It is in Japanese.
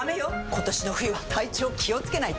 今年の冬は体調気をつけないと！